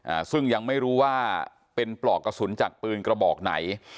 อ่าซึ่งยังไม่รู้ว่าเป็นปลอกกระสุนจากปืนกระบอกไหน